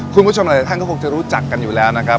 คุณผู้ชมอะไรท่านก็คงรู้จักกันอยู่แล้วเนี่ย